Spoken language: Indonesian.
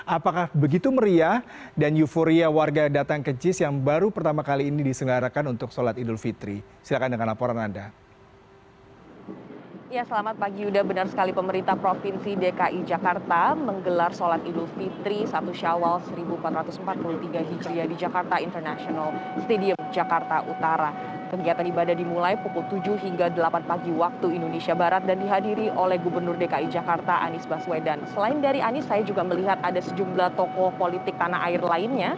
apakah begitu meriah dan euforia warga datang ke jis yang baru pertama kali ini disengarakan untuk sholat idul fitri